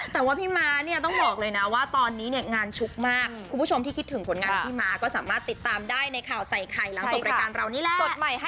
แต่งานเดินแบบพี่มาก็ไม่มีแล้ว